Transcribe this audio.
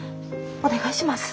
お願いします。